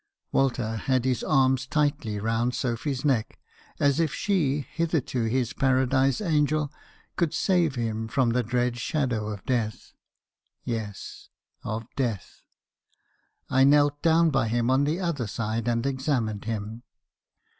Walter had his arms tight round Sophy's neck , as if she , hitherto his paradise angel, could save him from the dread shadow of Death. Yes! of Death! I knelt down by him on the other side , and examined him.